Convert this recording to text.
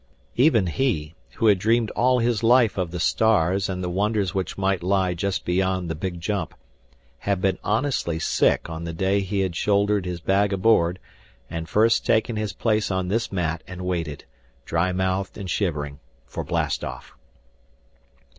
Even he, who had dreamed all his life of the stars and the wonders which might lie just beyond the big jump, had been honestly sick on the day he had shouldered his bag aboard and had first taken his place on this mat and waited, dry mouthed and shivering, for blast off.